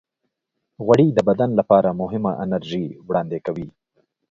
غوړې د بدن لپاره مهمه انرژي وړاندې کوي.